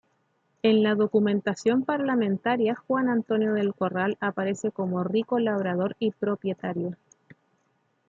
En la documentación parlamentaria Juan Antonio del Corral aparece como rico labrador y propietario.